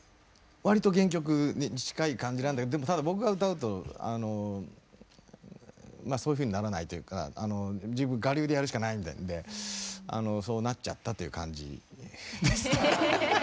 わりと原曲に近い感じなんだけどでもただ僕が歌うとまあそういうふうにならないというかあの我流でやるしかないんであのそうなっちゃったという感じです。